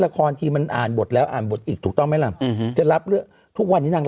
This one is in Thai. ละครทีมันอ่านบทแล้วอ่านบทอีกถูกต้องไหมล่ะอืมจะรับเรื่องทุกวันนี้นาง